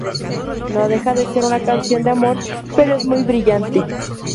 No deja de ser una canción de amor, pero es muy brillante.